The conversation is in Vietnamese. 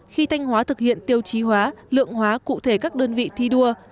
khi thanh hóa thực hiện tiêu chí hóa lượng hóa cụ thể các đơn vị thi đua